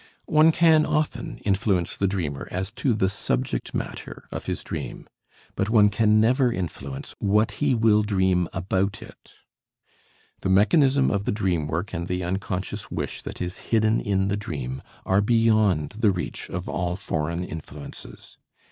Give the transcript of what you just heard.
One can often influence the dreamer as to the subject matter of his dream, but one can never influence what he will dream about it. The mechanism of the dream work and the unconscious wish that is hidden in the dream are beyond the reach of all foreign influences.